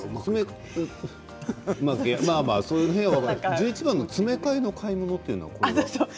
１１番の詰め替えの買い物というのは？